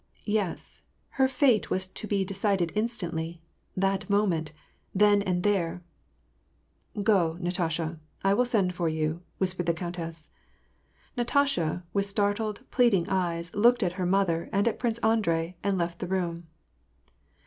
Yes : her fate was to be decided instantly, that moment, then and there !" Go, Natasha, I will send for you," whispered the conntess. Natasha, with startled, pleading eyes, looked at her mother, and at Prince Andrei, and left the room.